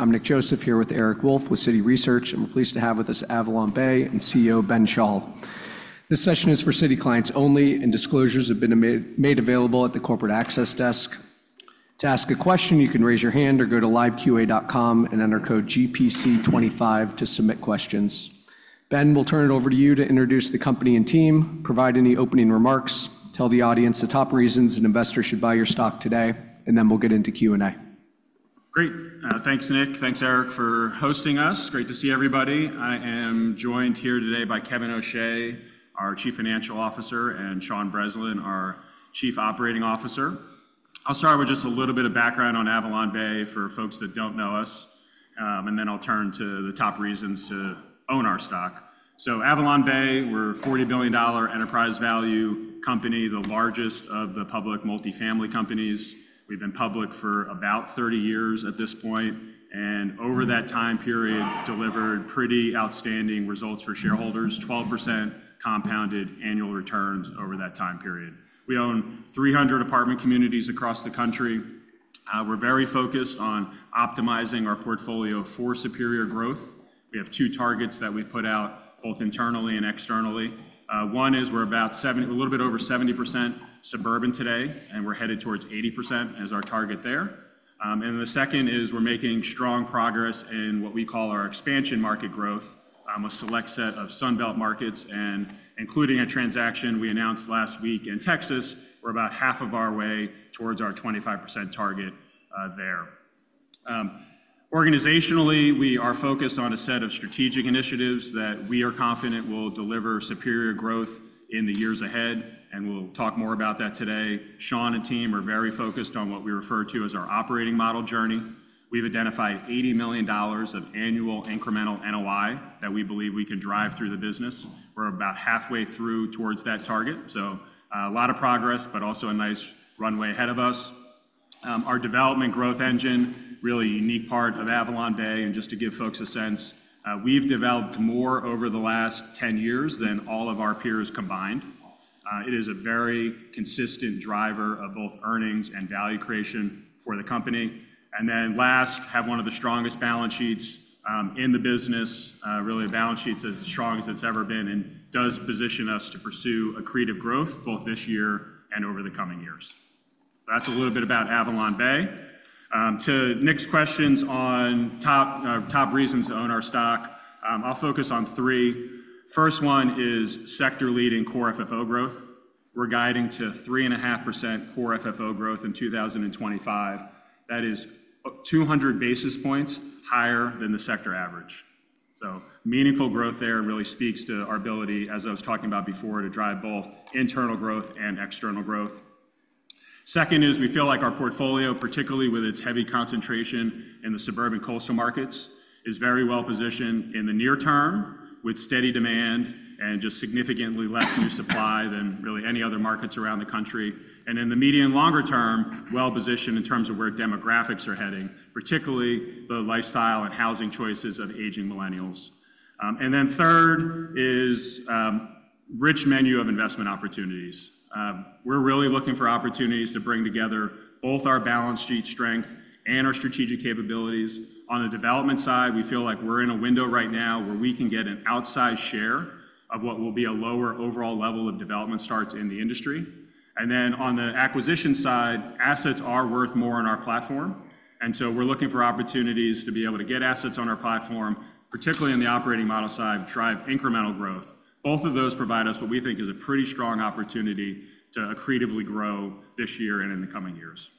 I'm Nick Joseph here with Eric Wolfe with Citi Research, and we're pleased to have with us AvalonBay and CEO Ben Schall. This session is for Citi clients only, and disclosures have been made available at the Corporate Access Desk. To ask a question, you can raise your hand or go to live.qa.com and enter code GPC25 to submit questions. Ben, we'll turn it over to you to introduce the company and team, provide any opening remarks, tell the audience the top reasons an investor should buy your stock today, and then we'll get into Q&A. Great. Thanks, Nick. Thanks, Eric, for hosting us. Great to see everybody. I am joined here today by Kevin O'Shea, our Chief Financial Officer, and Sean Breslin, our Chief Operating Officer. I'll start with just a little bit of background on AvalonBay for folks that don't know us, and then I'll turn to the top reasons to own our stock. So AvalonBay, we're a $40 billion enterprise value company, the largest of the public multifamily companies. We've been public for about 30 years at this point, and over that time period, delivered pretty outstanding results for shareholders: 12% compounded annual returns over that time period. We own 300 apartment communities across the country. We're very focused on optimizing our portfolio for superior growth. We have two targets that we've put out both internally and externally. One is we're about a little bit over 70% suburban today, and we're headed towards 80% as our target there. And then the second is we're making strong progress in what we call our expansion market growth, a select set of Sunbelt markets, and including a transaction we announced last week in Texas, we're about half of our way towards our 25% target there. Organizationally, we are focused on a set of strategic initiatives that we are confident will deliver superior growth in the years ahead, and we'll talk more about that today. Sean and team are very focused on what we refer to as our operating model journey. We've identified $80 million of annual incremental NOI that we believe we can drive through the business. We're about halfway through towards that target. So a lot of progress, but also a nice runway ahead of us. Our development growth engine, really a unique part of AvalonBay, and just to give folks a sense, we've developed more over the last 10 years than all of our peers combined. It is a very consistent driver of both earnings and value creation for the company. And then last, have one of the strongest balance sheets in the business, really a balance sheet that's as strong as it's ever been and does position us to pursue accretive growth both this year and over the coming years. That's a little bit about AvalonBay. To Nick's questions on top reasons to own our stock, I'll focus on three. First one is sector-leading Core FFO growth. We're guiding to 3.5% Core FFO growth in 2025. That is 200 basis points higher than the sector average. So meaningful growth there really speaks to our ability, as I was talking about before, to drive both internal growth and external growth. Second is we feel like our portfolio, particularly with its heavy concentration in the suburban coastal markets, is very well positioned in the near term with steady demand and just significantly less new supply than really any other markets around the country. And in the medium and longer term, well positioned in terms of where demographics are heading, particularly the lifestyle and housing choices of aging millennials. And then third is a rich menu of investment opportunities. We're really looking for opportunities to bring together both our balance sheet strength and our strategic capabilities. On the development side, we feel like we're in a window right now where we can get an outsized share of what will be a lower overall level of development starts in the industry. And then on the acquisition side, assets are worth more on our platform. And so we're looking for opportunities to be able to get assets on our platform, particularly on the operating model side, to drive incremental growth. Both of those provide us what we think is a pretty strong opportunity to accretively grow this year and in the coming years.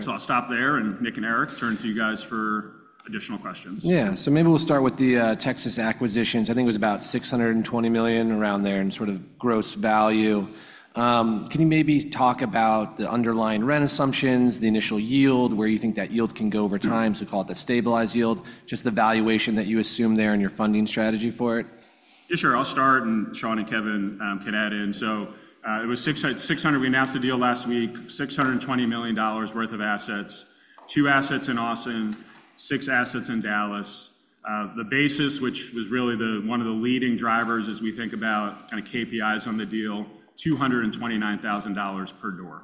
So I'll stop there, and Nick and Eric, turn to you guys for additional questions. Yeah. So maybe we'll start with the Texas acquisitions. I think it was about $620 million, around there, in sort of gross value. Can you maybe talk about the underlying rent assumptions, the initial yield, where you think that yield can go over time? So we call it the stabilized yield. Just the valuation that you assume there and your funding strategy for it. Yeah, sure. I'll start, and Sean and Kevin can add in, so it was $600. We announced the deal last week, $620 million worth of assets, two assets in Austin, six assets in Dallas. The basis, which was really one of the leading drivers as we think about kind of KPIs on the deal, $229,000 per door.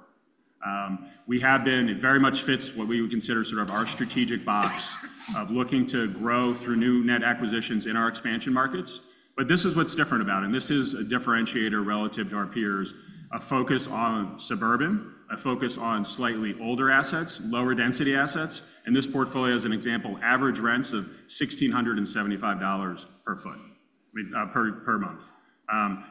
It very much fits what we would consider sort of our strategic box of looking to grow through new net acquisitions in our expansion markets, but this is what's different about it, and this is a differentiator relative to our peers, a focus on suburban, a focus on slightly older assets, lower density assets, and this portfolio, as an example, average rents of $1,675 per month,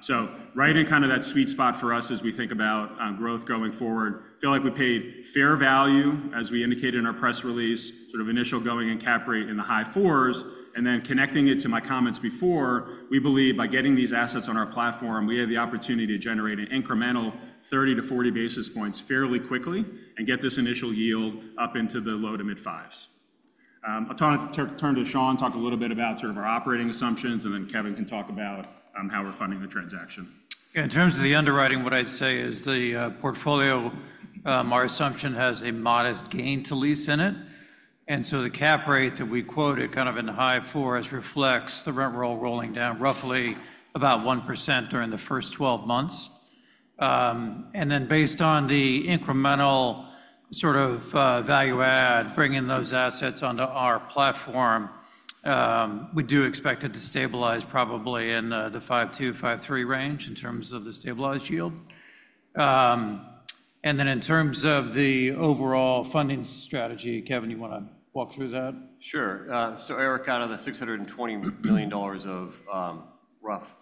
so right in kind of that sweet spot for us as we think about growth going forward. I feel like we paid fair value, as we indicated in our press release, sort of initial going and cap rate in the high fours. And then connecting it to my comments before, we believe by getting these assets on our platform, we have the opportunity to generate an incremental 30-40 basis points fairly quickly and get this initial yield up into the low to mid fives. I'll turn to Sean, talk a little bit about sort of our operating assumptions, and then Kevin can talk about how we're funding the transaction. Yeah. In terms of the underwriting, what I'd say is the portfolio, our assumption has a modest gain to lease in it. And so the cap rate that we quoted kind of in the high fours reflects the rent roll rolling down roughly about 1% during the first 12 months. And then based on the incremental sort of value add, bringing those assets onto our platform, we do expect it to stabilize probably in the 5.2-5.3 range in terms of the stabilized yield. And then in terms of the overall funding strategy, Kevin, you want to walk through that? Sure. So Eric, out of the $620 million of rough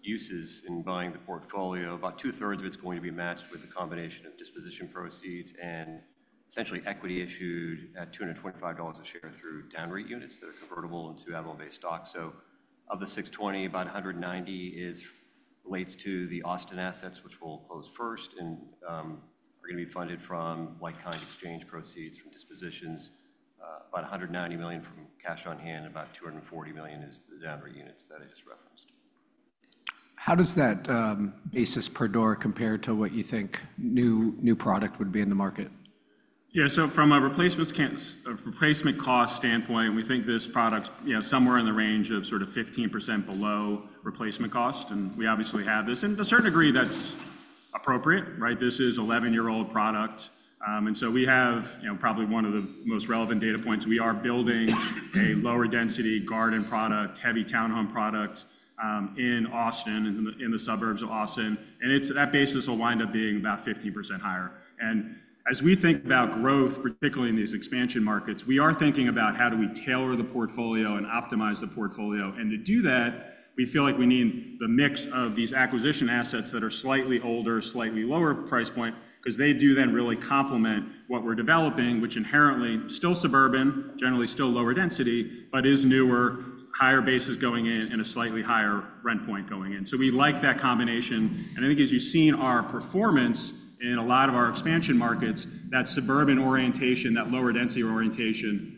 uses in buying the portfolio, about two-thirds of it's going to be matched with a combination of disposition proceeds and essentially equity issued at $225 a share through DownREIT units that are convertible into AvalonBay stock. So of the 620, about 190 relates to the Austin assets, which will close first and are going to be funded from like-kind exchange proceeds from dispositions, about 190 million from cash on hand, about 240 million is the DownREIT units that I just referenced. How does that basis per door compare to what you think new product would be in the market? Yeah. So from a replacement cost standpoint, we think this product is somewhere in the range of sort of 15% below replacement cost. And we obviously have this. And to a certain degree, that's appropriate, right? This is an 11-year-old product. And so we have probably one of the most relevant data points. We are building a lower density garden product, heavy townhome product in Austin, in the suburbs of Austin. And that basis will wind up being about 15% higher. And as we think about growth, particularly in these expansion markets, we are thinking about how do we tailor the portfolio and optimize the portfolio. To do that, we feel like we need the mix of these acquisition assets that are slightly older, slightly lower price point, because they do then really complement what we're developing, which inherently is still suburban, generally still lower density, but is newer, higher basis going in, and a slightly higher rent point going in. We like that combination. I think as you've seen our performance in a lot of our expansion markets, that suburban orientation, that lower density orientation,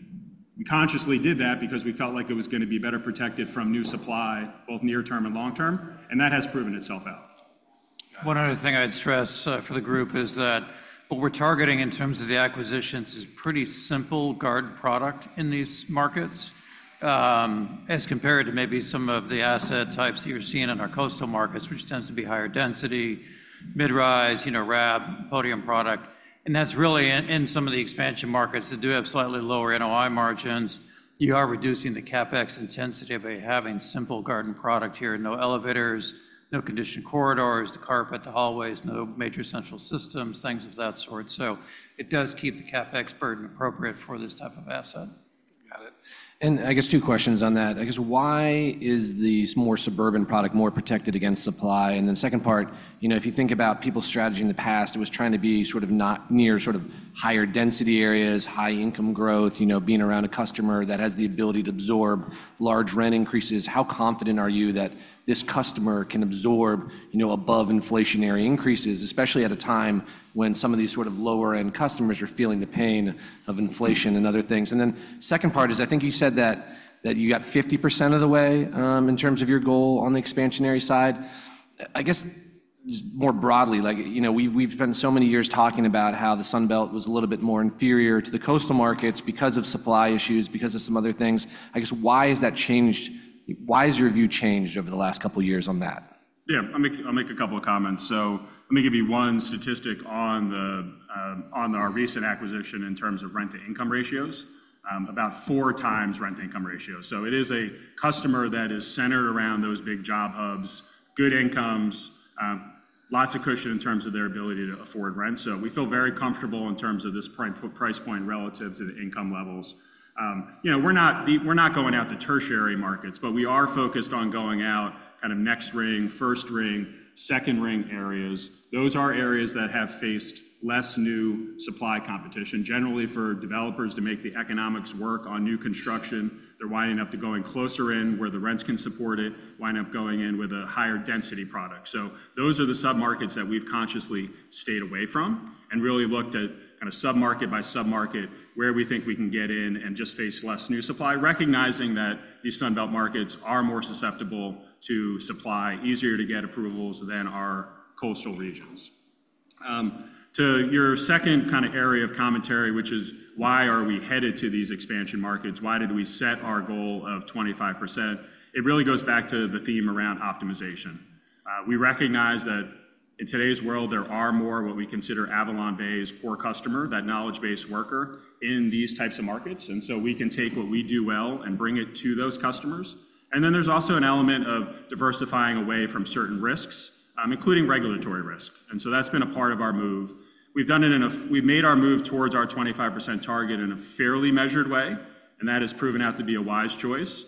we consciously did that because we felt like it was going to be better protected from new supply, both near term and long term. That has proven itself out. One other thing I'd stress for the group is that what we're targeting in terms of the acquisitions is pretty simple garden product in these markets as compared to maybe some of the asset types that you're seeing in our coastal markets, which tends to be higher density, mid-rise, wrapped podium product, and that's really in some of the expansion markets that do have slightly lower NOI margins. You are reducing the CapEx intensity by having simple garden product here, no elevators, no conditioned corridors, carpeted hallways, no major central systems, things of that sort, so it does keep the CapEx burden appropriate for this type of asset. Got it. And I guess two questions on that. I guess why is the more suburban product more protected against supply? And then second part, if you think about people's strategy in the past, it was trying to be sort of near sort of higher density areas, high income growth, being around a customer that has the ability to absorb large rent increases. How confident are you that this customer can absorb above inflationary increases, especially at a time when some of these sort of lower-end customers are feeling the pain of inflation and other things? And then second part is I think you said that you got 50% of the way in terms of your goal on the expansionary side. I guess more broadly, we've spent so many years talking about how the Sunbelt was a little bit more inferior to the coastal markets because of supply issues, because of some other things. I guess why has that changed? Why has your view changed over the last couple of years on that? Yeah. I'll make a couple of comments. So let me give you one statistic on our recent acquisition in terms of rent-to-income ratios, about four times rent-to-income ratio. So it is a customer that is centered around those big job hubs, good incomes, lots of cushion in terms of their ability to afford rent. So we feel very comfortable in terms of this price point relative to the income levels. We're not going out to tertiary markets, but we are focused on going out kind of next ring, first ring, second ring areas. Those are areas that have faced less new supply competition. Generally, for developers to make the economics work on new construction, they're winding up going closer in where the rents can support it, going in with a higher density product. So those are the submarkets that we've consciously stayed away from and really looked at kind of submarket by submarket where we think we can get in and just face less new supply, recognizing that these Sunbelt markets are more susceptible to supply, easier to get approvals than our coastal regions. To your second kind of area of commentary, which is why are we headed to these expansion markets? Why did we set our goal of 25%? It really goes back to the theme around optimization. We recognize that in today's world, there are more of what we consider AvalonBay's core customer, that knowledge-based worker in these types of markets. And so we can take what we do well and bring it to those customers. And then there's also an element of diversifying away from certain risks, including regulatory risk. And so that's been a part of our move. We've done it. We've made our move towards our 25% target in a fairly measured way, and that has proven out to be a wise choice.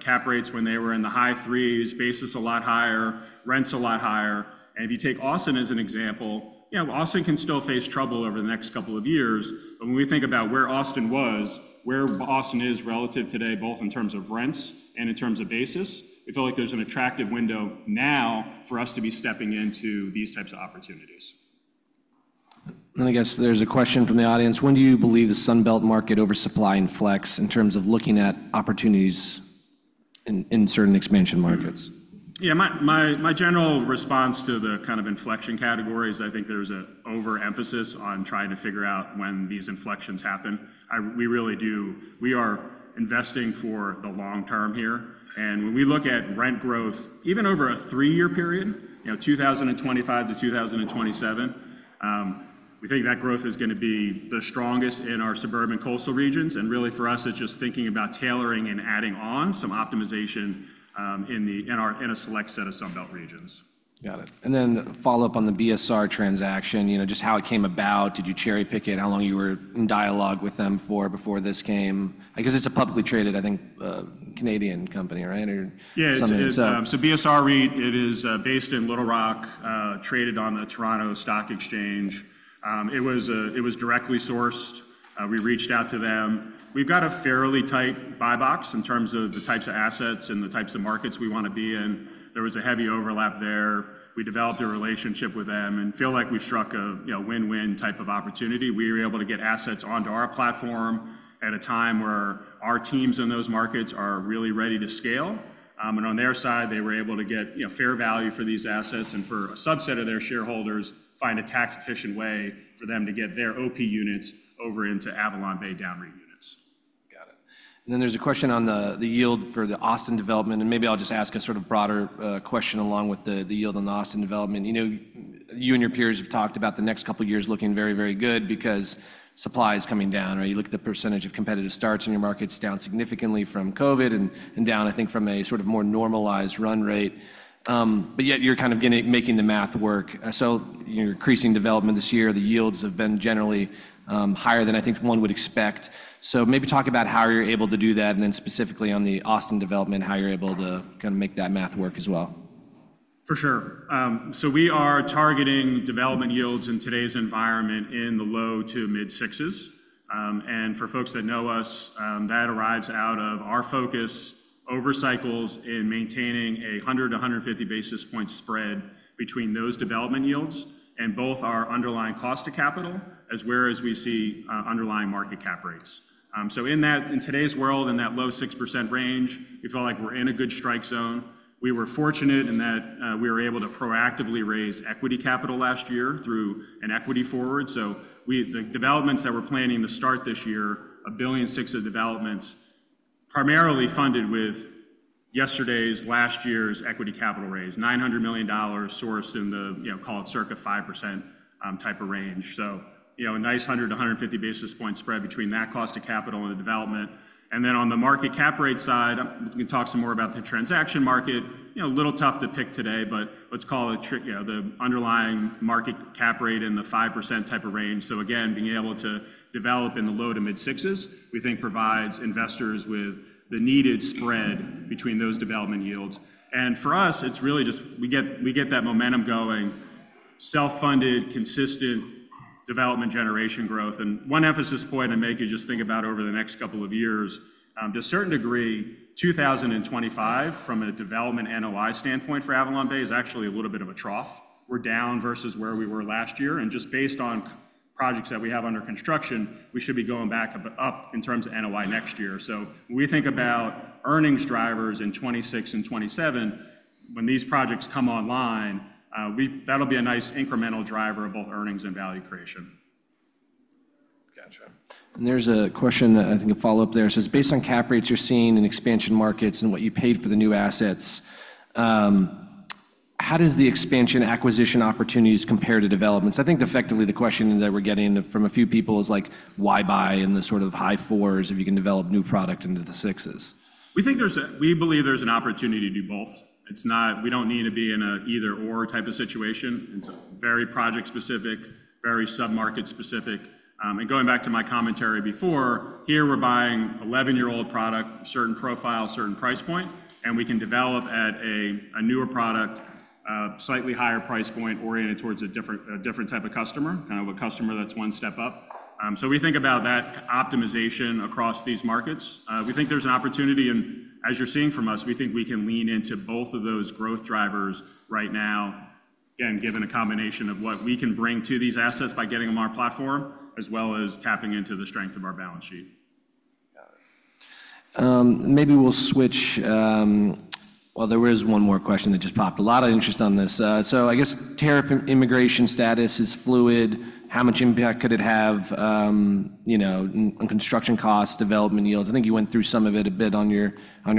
Cap rates, when they were in the high threes, basis a lot higher, rents a lot higher. If you take Austin as an example, Austin can still face trouble over the next couple of years. When we think about where Austin was, where Austin is relative today, both in terms of rents and in terms of basis, we feel like there's an attractive window now for us to be stepping into these types of opportunities. And I guess there's a question from the audience. When do you believe the Sunbelt market oversupply inflects in terms of looking at opportunities in certain expansion markets? Yeah. My general response to the kind of inflection category is I think there's an overemphasis on trying to figure out when these inflections happen. We really are investing for the long term here, and when we look at rent growth, even over a three-year period, 2025-2027, we think that growth is going to be the strongest in our suburban coastal regions, and really, for us, it's just thinking about tailoring and adding on some optimization in a select set of Sunbelt regions. Got it. And then follow up on the BSR transaction, just how it came about. Did you cherry pick it? How long you were in dialogue with them for before this came? I guess it's a publicly traded, I think, Canadian company, right? Yeah. BSR REIT, it is based in Little Rock, traded on the Toronto Stock Exchange. It was directly sourced. We reached out to them. We've got a fairly tight buy box in terms of the types of assets and the types of markets we want to be in. There was a heavy overlap there. We developed a relationship with them and feel like we struck a win-win type of opportunity. We were able to get assets onto our platform at a time where our teams in those markets are really ready to scale. And on their side, they were able to get fair value for these assets and for a subset of their shareholders find a tax-efficient way for them to get their OP units over into AvalonBay DownREIT units. Got it. And then there's a question on the yield for the Austin development. And maybe I'll just ask a sort of broader question along with the yield on the Austin development. You and your peers have talked about the next couple of years looking very, very good because supply is coming down, right? You look at the percentage of competitive starts in your markets down significantly from COVID and down, I think, from a sort of more normalized run rate. But yet you're kind of making the math work. So you're increasing development this year. The yields have been generally higher than I think one would expect. So maybe talk about how you're able to do that and then specifically on the Austin development, how you're able to kind of make that math work as well. For sure. So we are targeting development yields in today's environment in the low to mid sixes. And for folks that know us, that arrives out of our focus over cycles in maintaining a 100 to 150 basis point spread between those development yields and both our underlying cost of capital as well as we see underlying market cap rates. So in today's world, in that low 6% range, we feel like we're in a good strike zone. We were fortunate in that we were able to proactively raise equity capital last year through an equity forward. So the developments that we're planning to start this year, $1.6 billion of developments, primarily funded with yesterday's, last year's equity capital raise, $900 million sourced in the, call it circa 5% type of range. So a nice 100 to 150 basis point spread between that cost of capital and the development. And then on the market cap rate side, we can talk some more about the transaction market. A little tough to pick today, but let's call it the underlying market cap rate in the 5% type of range. So again, being able to develop in the low-to-mid sixes, we think provides investors with the needed spread between those development yields. And for us, it's really just we get that momentum going, self-funded, consistent development generation growth. And one emphasis point I make is just think about over the next couple of years, to a certain degree, 2025 from a development NOI standpoint for AvalonBay is actually a little bit of a trough. We're down versus where we were last year. And just based on projects that we have under construction, we should be going back up in terms of NOI next year. So when we think about earnings drivers in 2026 and 2027, when these projects come online, that'll be a nice incremental driver of both earnings and value creation. Gotcha. And there's a question, I think a follow-up there. It says, based on cap rates you're seeing in expansion markets and what you paid for the new assets, how does the expansion acquisition opportunities compare to developments? I think effectively the question that we're getting from a few people is like, why buy in the sort of high fours if you can develop new product into the sixes? We believe there's an opportunity to do both. We don't need to be in an either/or type of situation. It's very project-specific, very submarket-specific, and going back to my commentary before, here we're buying 11-year-old product, certain profile, certain price point, and we can develop at a newer product, slightly higher price point oriented towards a different type of customer, kind of a customer that's one step up, so we think about that optimization across these markets. We think there's an opportunity, and as you're seeing from us, we think we can lean into both of those growth drivers right now, again, given a combination of what we can bring to these assets by getting them on our platform, as well as tapping into the strength of our balance sheet. Got it. Maybe we'll switch. Well, there was one more question that just popped. A lot of interest on this. So I guess tariff immigration status is fluid. How much impact could it have on construction costs, development yields? I think you went through some of it a bit on your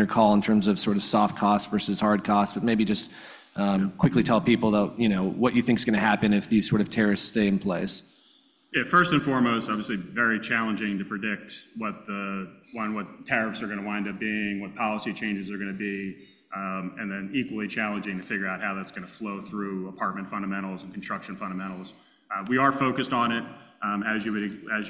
call in terms of sort of soft costs versus hard costs, but maybe just quickly tell people what you think is going to happen if these sort of tariffs stay in place. Yeah. First and foremost, obviously, very challenging to predict what tariffs are going to wind up being, what policy changes are going to be, and then equally challenging to figure out how that's going to flow through apartment fundamentals and construction fundamentals. We are focused on it, as you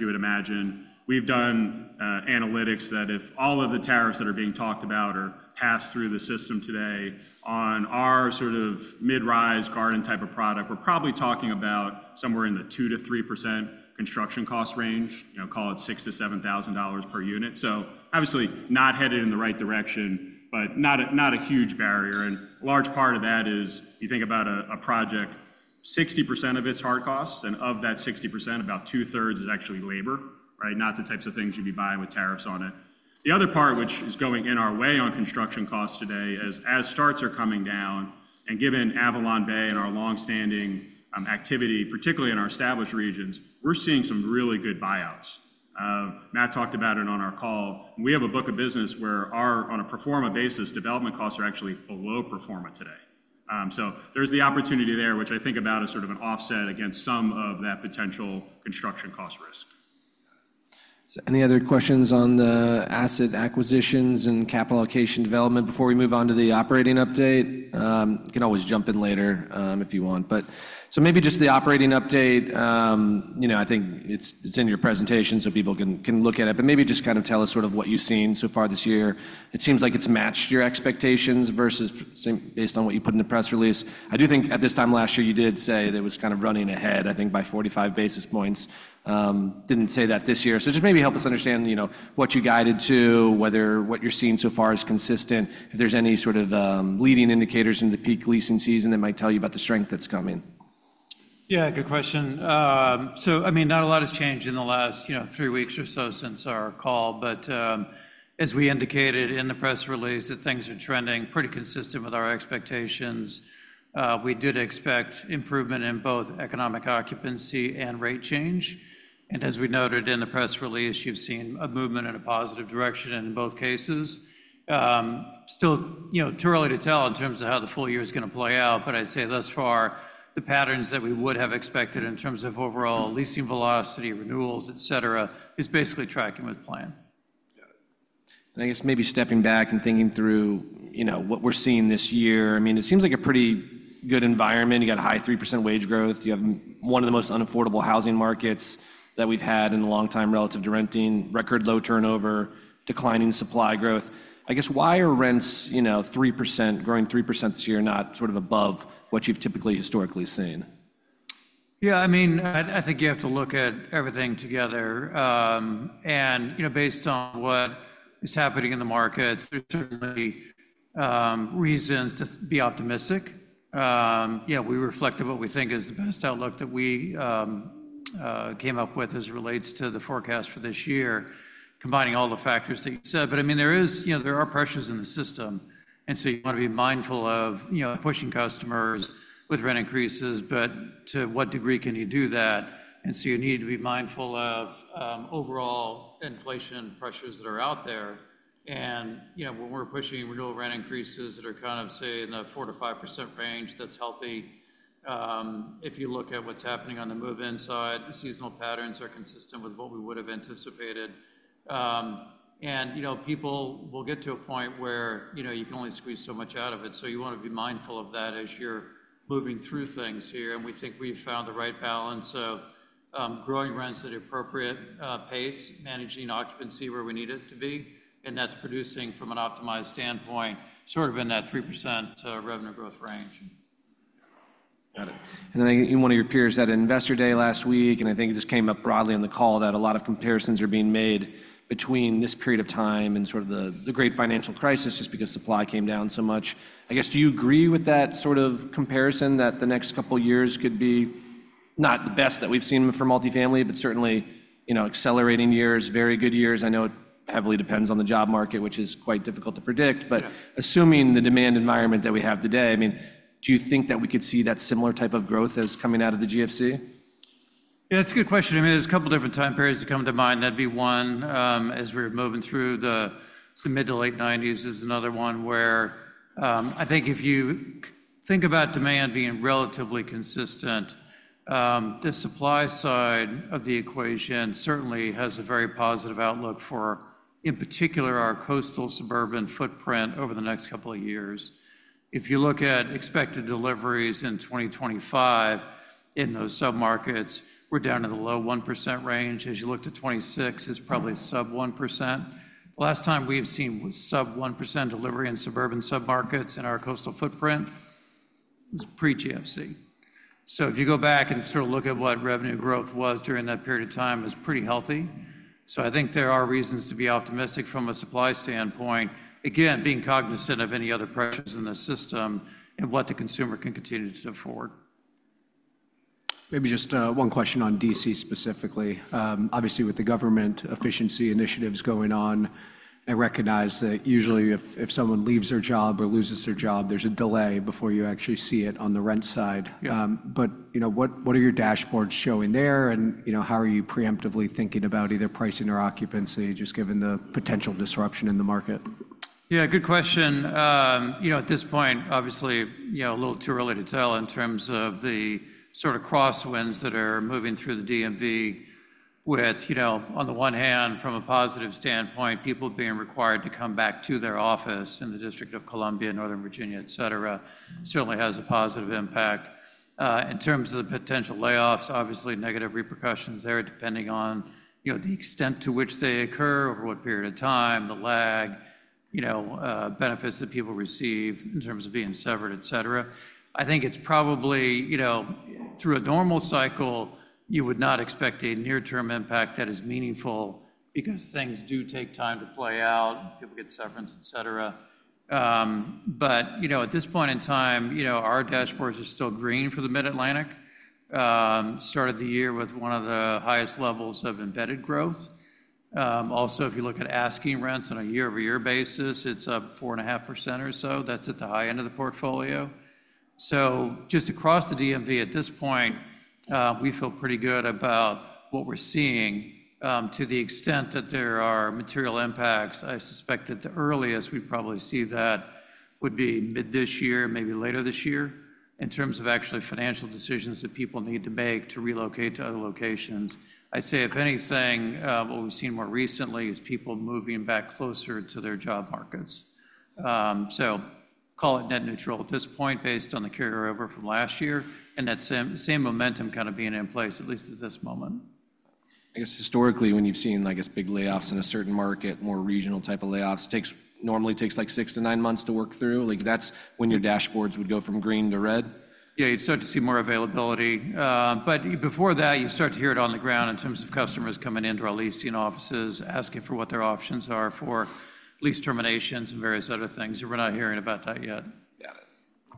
would imagine. We've done analytics that if all of the tariffs that are being talked about are passed through the system today on our sort of mid-rise garden type of product, we're probably talking about somewhere in the 2%-3% construction cost range, call it $6,000-$7,000 per unit. So obviously not headed in the right direction, but not a huge barrier. And a large part of that is if you think about a project, 60% of its hard costs, and of that 60%, about two-thirds is actually labor, right? Not the types of things you'd be buying with tariffs on it. The other part, which is going in our way on construction costs today, is, as starts are coming down and given AvalonBay and our longstanding activity, particularly in our established regions, we're seeing some really good buyouts. Matt talked about it on our call. We have a book of business where, on a pro forma basis, development costs are actually below pro forma today. So there's the opportunity there, which I think about as sort of an offset against some of that potential construction cost risk. So any other questions on the asset acquisitions and capital allocation development before we move on to the operating update? You can always jump in later if you want. But so maybe just the operating update, I think it's in your presentation, so people can look at it, but maybe just kind of tell us sort of what you've seen so far this year. It seems like it's matched your expectations versus based on what you put in the press release. I do think at this time last year you did say that it was kind of running ahead, I think, by 45 basis points. Didn't say that this year. So just maybe help us understand what you guided to, whether what you're seeing so far is consistent. If there's any sort of leading indicators in the peak leasing season that might tell you about the strength that's coming. Yeah, good question. So I mean, not a lot has changed in the last three weeks or so since our call, but as we indicated in the press release, that things are trending pretty consistent with our expectations. We did expect improvement in both economic occupancy and rate change. And as we noted in the press release, you've seen a movement in a positive direction in both cases. Still too early to tell in terms of how the full year is going to play out, but I'd say thus far, the patterns that we would have expected in terms of overall leasing velocity, renewals, etc., is basically tracking with plan. Got it, and I guess maybe stepping back and thinking through what we're seeing this year, I mean, it seems like a pretty good environment. You got a high 3% wage growth. You have one of the most unaffordable housing markets that we've had in a long time relative to renting, record low turnover, declining supply growth. I guess why are rents 3%, growing 3% this year, not sort of above what you've typically historically seen? Yeah, I mean, I think you have to look at everything together. And based on what is happening in the markets, there's certainly reasons to be optimistic. Yeah, we reflect on what we think is the best outlook that we came up with as it relates to the forecast for this year, combining all the factors that you said. But I mean, there are pressures in the system. And so you want to be mindful of pushing customers with rent increases, but to what degree can you do that? And so you need to be mindful of overall inflation pressures that are out there. And when we're pushing renewal rent increases that are kind of, say, in the 4%-5% range, that's healthy. If you look at what's happening on the move-in side, the seasonal patterns are consistent with what we would have anticipated. And people will get to a point where you can only squeeze so much out of it. So you want to be mindful of that as you're moving through things here. And we think we've found the right balance of growing rents at an appropriate pace, managing occupancy where we need it to be. And that's producing from an optimized standpoint, sort of in that 3% revenue growth range. Got it. And then I think one of your peers had an investor day last week, and I think it just came up broadly on the call that a lot of comparisons are being made between this period of time and sort of the Great Financial Crisis just because supply came down so much. I guess, do you agree with that sort of comparison that the next couple of years could be not the best that we've seen for multifamily, but certainly accelerating years, very good years? I know it heavily depends on the job market, which is quite difficult to predict. But assuming the demand environment that we have today, I mean, do you think that we could see that similar type of growth as coming out of the GFC? Yeah, that's a good question. I mean, there's a couple of different time periods that come to mind. That'd be one as we're moving through the mid to late 90s is another one where I think if you think about demand being relatively consistent, the supply side of the equation certainly has a very positive outlook for, in particular, our coastal suburban footprint over the next couple of years. If you look at expected deliveries in 2025 in those submarkets, we're down in the low 1% range. As you look to 2026, it's probably sub 1%. The last time we've seen sub 1% delivery in suburban submarkets in our coastal footprint was pre-GFC. So if you go back and sort of look at what revenue growth was during that period of time, it was pretty healthy. So I think there are reasons to be optimistic from a supply standpoint, again, being cognizant of any other pressures in the system and what the consumer can continue to afford. Maybe just one question on D.C. specifically. Obviously, with the government efficiency initiatives going on, I recognize that usually if someone leaves their job or loses their job, there's a delay before you actually see it on the rent side. But what are your dashboards showing there? And how are you preemptively thinking about either pricing or occupancy, just given the potential disruption in the market? Yeah, good question. At this point, obviously, a little too early to tell in terms of the sort of crosswinds that are moving through the DMV, with on the one hand, from a positive standpoint, people being required to come back to their office in the District of Columbia, Northern Virginia, etc., certainly has a positive impact. In terms of the potential layoffs, obviously negative repercussions there depending on the extent to which they occur, over what period of time, the lag, benefits that people receive in terms of severance, etc. I think it's probably through a normal cycle, you would not expect a near-term impact that is meaningful because things do take time to play out, people get severance, etc. But at this point in time, our dashboards are still green for the Mid-Atlantic, started the year with one of the highest levels of embedded growth. Also, if you look at asking rents on a year-over-year basis, it's up 4.5% or so. That's at the high end of the portfolio. So just across the DMV at this point, we feel pretty good about what we're seeing to the extent that there are material impacts. I suspect at the earliest, we'd probably see that would be mid this year, maybe later this year in terms of actually financial decisions that people need to make to relocate to other locations. I'd say if anything, what we've seen more recently is people moving back closer to their job markets. So call it net neutral at this point based on the carryover from last year and that same momentum kind of being in place, at least at this moment. I guess historically, when you've seen, I guess, big layoffs in a certain market, more regional type of layoffs, normally takes like six to nine months to work through. That's when your dashboards would go from green to red? Yeah, you'd start to see more availability. But before that, you start to hear it on the ground in terms of customers coming into our leasing offices, asking for what their options are for lease terminations and various other things. We're not hearing about that yet. Got it.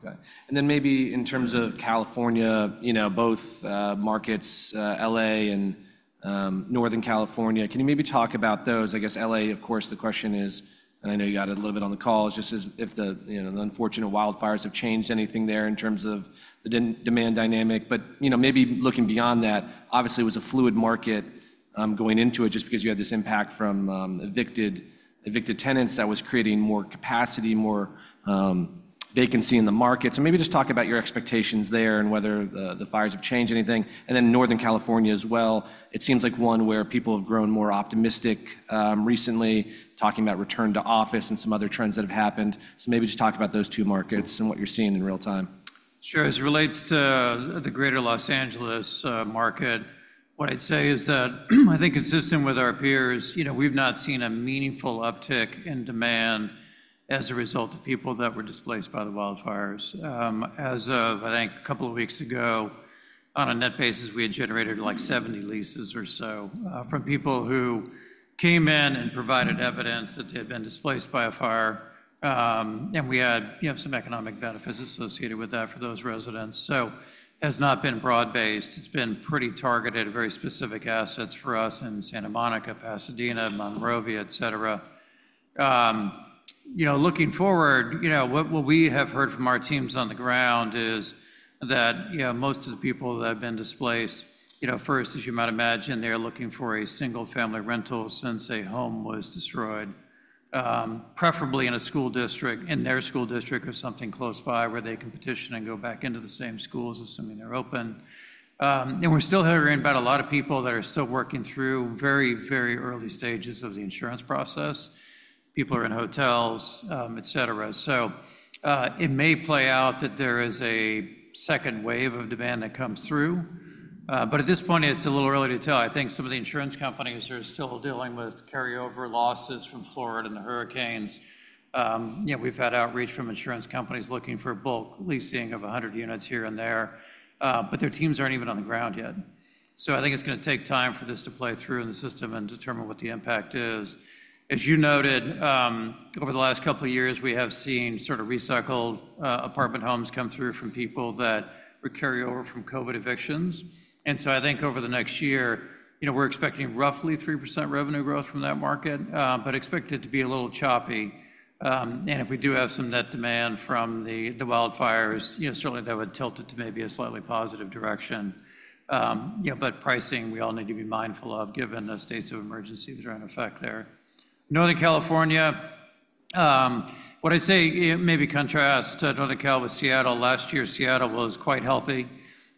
Okay. And then maybe in terms of California, both markets, LA and Northern California, can you maybe talk about those? I guess LA, of course, the question is, and I know you got it a little bit on the call, is just if the unfortunate wildfires have changed anything there in terms of the demand dynamic. But maybe looking beyond that, obviously it was a fluid market going into it just because you had this impact from evicted tenants that was creating more capacity, more vacancy in the market. So maybe just talk about your expectations there and whether the fires have changed anything. And then Northern California as well, it seems like one where people have grown more optimistic recently, talking about return to office and some other trends that have happened. So maybe just talk about those two markets and what you're seeing in real time. Sure. As it relates to the Greater Los Angeles market, what I'd say is that I think consistent with our peers, we've not seen a meaningful uptick in demand as a result of people that were displaced by the wildfires. As of, I think, a couple of weeks ago, on a net basis, we had generated like 70 leases or so from people who came in and provided evidence that they had been displaced by a fire. And we had some economic benefits associated with that for those residents. So it has not been broad-based. It's been pretty targeted, very specific assets for us in Santa Monica, Pasadena, Monrovia, etc. Looking forward, what we have heard from our teams on the ground is that most of the people that have been displaced, first, as you might imagine, they're looking for a single-family rental since a home was destroyed, preferably in a school district, in their school district or something close by where they can petition and go back into the same schools assuming they're open, and we're still hearing about a lot of people that are still working through very, very early stages of the insurance process. People are in hotels, etc., so it may play out that there is a second wave of demand that comes through, but at this point, it's a little early to tell. I think some of the insurance companies are still dealing with carryover losses from Florida and the hurricanes. We've had outreach from insurance companies looking for bulk leasing of 100 units here and there, but their teams aren't even on the ground yet. So I think it's going to take time for this to play through in the system and determine what the impact is. As you noted, over the last couple of years, we have seen sort of recycled apartment homes come through from people that were carried over from COVID evictions. And so I think over the next year, we're expecting roughly 3% revenue growth from that market, but expect it to be a little choppy. And if we do have some net demand from the wildfires, certainly that would tilt it to maybe a slightly positive direction. But pricing, we all need to be mindful of given the states of emergency that are in effect there. Northern California. What I say, maybe contrast Northern California with Seattle. Last year, Seattle was quite healthy.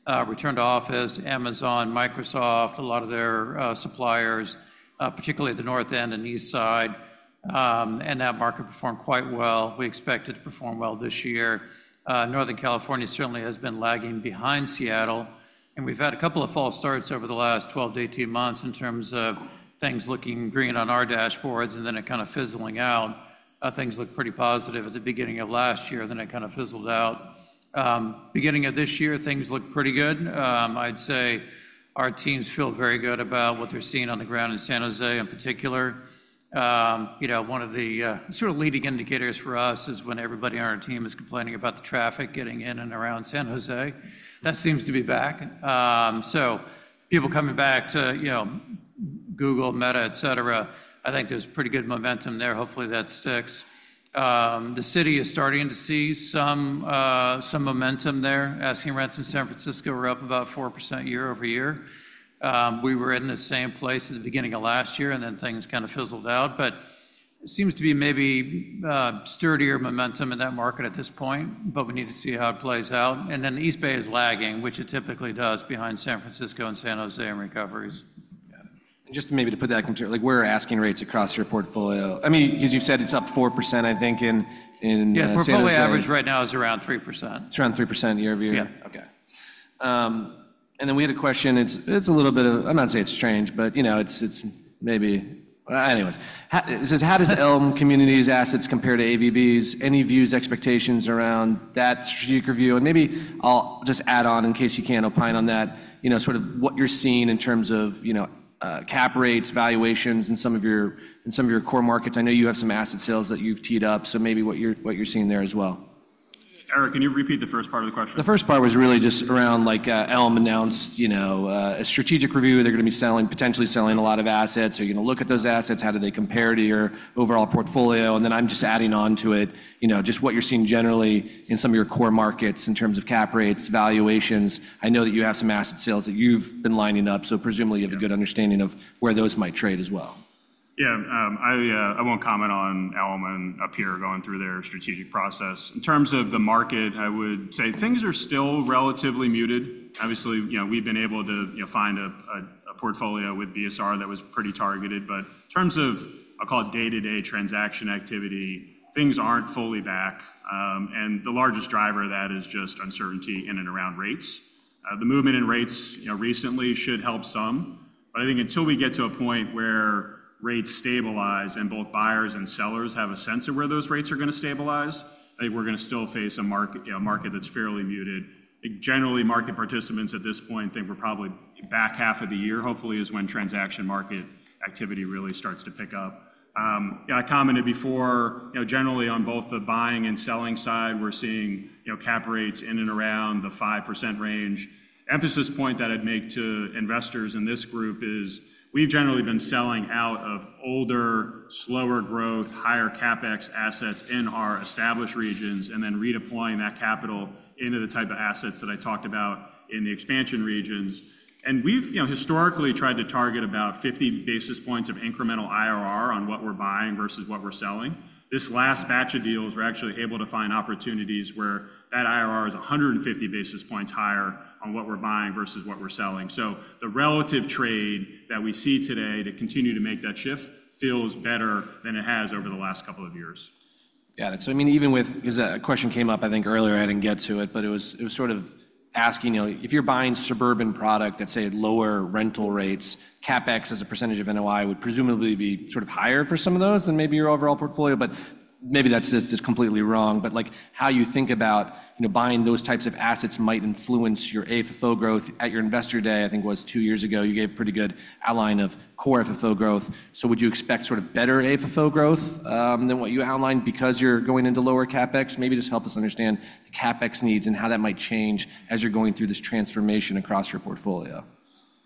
Return to office, Amazon, Microsoft, a lot of their suppliers, particularly at the north end and east side, and that market performed quite well. We expect it to perform well this year. Northern California certainly has been lagging behind Seattle, and we've had a couple of false starts over the last 12-18 months in terms of things looking green on our dashboards and then it kind of fizzling out. Things looked pretty positive at the beginning of last year, then it kind of fizzled out. Beginning of this year, things looked pretty good. I'd say our teams feel very good about what they're seeing on the ground in San Jose in particular. One of the sort of leading indicators for us is when everybody on our team is complaining about the traffic getting in and around San Jose. That seems to be back, so people coming back to Google, Meta, etc., I think there's pretty good momentum there. Hopefully, that sticks. The city is starting to see some momentum there. Asking rents in San Francisco were up about 4% year-over-year. We were in the same place at the beginning of last year, and then things kind of fizzled out, but it seems to be maybe sturdier momentum in that market at this point, but we need to see how it plays out, and then East Bay is lagging, which it typically does behind San Francisco and San Jose and recoveries. Yeah, and just maybe to put that concern, where are asking rates across your portfolio? I mean, because you said it's up 4%, I think, in San Jose? Yeah, portfolio average right now is around 3%. It's around 3% year-over-year? Yeah. Okay. And then we had a question. It's a little bit of, I'm not going to say it's strange, but it's maybe, anyways. It says, how does Elme Communities assets compare to AVB's? Any views, expectations around that strategic review? And maybe I'll just add on in case you can't opine on that, sort of what you're seeing in terms of cap rates, valuations, and some of your core markets. I know you have some asset sales that you've teed up, so maybe what you're seeing there as well. Eric, can you repeat the first part of the question? The first part was really just around like Elme announced a strategic review. They're going to be potentially selling a lot of assets. Are you going to look at those assets? How do they compare to your overall portfolio? And then I'm just adding on to it just what you're seeing generally in some of your core markets in terms of cap rates, valuations. I know that you have some asset sales that you've been lining up, so presumably you have a good understanding of where those might trade as well. Yeah. I won't comment on Elme and a peer going through their strategic process. In terms of the market, I would say things are still relatively muted. Obviously, we've been able to find a portfolio with BSR that was pretty targeted. But in terms of, I'll call it day-to-day transaction activity, things aren't fully back. And the largest driver of that is just uncertainty in and around rates. The movement in rates recently should help some. But I think until we get to a point where rates stabilize and both buyers and sellers have a sense of where those rates are going to stabilize, I think we're going to still face a market that's fairly muted. Generally, market participants at this point think we're probably back half of the year. Hopefully, is when transaction market activity really starts to pick up. I commented before, generally on both the buying and selling side, we're seeing cap rates in and around the 5% range. Emphasis point that I'd make to investors in this group is we've generally been selling out of older, slower growth, higher CapEx assets in our established regions and then redeploying that capital into the type of assets that I talked about in the expansion regions. And we've historically tried to target about 50 basis points of incremental IRR on what we're buying versus what we're selling. This last batch of deals, we're actually able to find opportunities where that IRR is 150 basis points higher on what we're buying versus what we're selling. So the relative trade that we see today to continue to make that shift feels better than it has over the last couple of years. Got it. So I mean, even with, because a question came up, I think earlier, I didn't get to it, but it was sort of asking if you're buying suburban product at, say, lower rental rates, CapEx as a percentage of NOI would presumably be sort of higher for some of those than maybe your overall portfolio. But maybe that's just completely wrong. But how you think about buying those types of assets might influence your AFFO growth at your investor day, I think was two years ago. You gave a pretty good outline of core AFFO growth. So would you expect sort of better AFFO growth than what you outlined because you're going into lower CapEx? Maybe just help us understand the CapEx needs and how that might change as you're going through this transformation across your portfolio.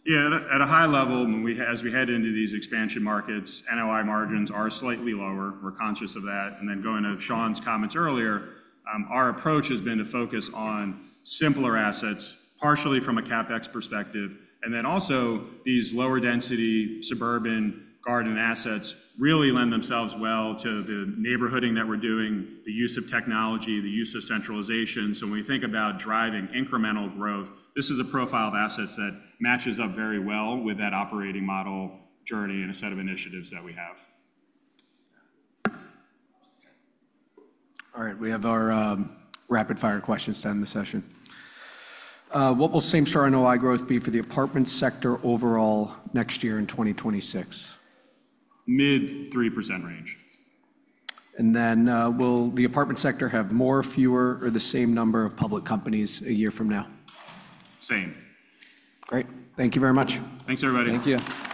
Yeah. At a high level, as we head into these expansion markets, NOI margins are slightly lower. We're conscious of that. And then going to Sean's comments earlier, our approach has been to focus on simpler assets, partially from a CapEx perspective. And then also these lower-density suburban garden assets really lend themselves well to the neighborhooding that we're doing, the use of technology, the use of centralization. So when we think about driving incremental growth, this is a profile of assets that matches up very well with that operating model journey and a set of initiatives that we have. All right. We have our rapid-fire questions to end the session. What will same-store NOI growth be for the apartment sector overall next year in 2026? Mid 3% range. Will the apartment sector have more, fewer, or the same number of public companies a year from now? Same. Great. Thank you very much. Thanks, everybody. Thank you.